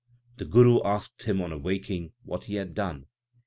The Guru asked him on awaking what he had done.